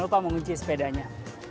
lupa mengunci sepedanya